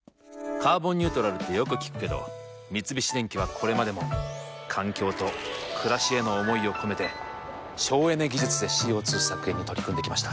「カーボンニュートラル」ってよく聞くけど三菱電機はこれまでも環境と暮らしへの思いを込めて省エネ技術でＣＯ２削減に取り組んできました。